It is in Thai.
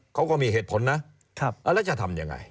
เขาก็มีเหตุผลนะแล้วจะทำยังไง